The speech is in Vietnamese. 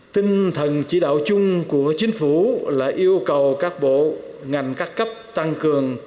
tinh thần chỉ đạo chung của chính phủ là yêu cầu các bộ ngành các cấp tăng cường